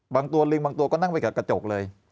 บางตัวลิงบางตัวก็นั่งไปกับกระจกเลย